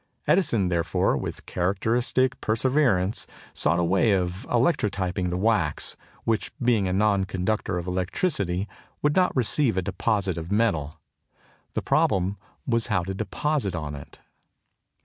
Edison, therefore, with characteristic perseverance, sought a way of electrotyping the wax, which, being a non conductor of electricity, would not receive a deposit of metal. The problem was how to deposit on it.